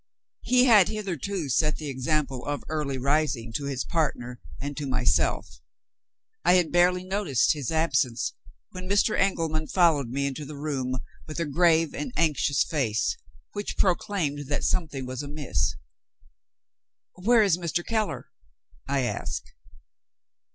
He had hitherto set the example of early rising to his partner and to myself. I had barely noticed his absence, when Mr. Engelman followed me into the room with a grave and anxious face, which proclaimed that something was amiss. "Where is Mr. Keller?" I asked.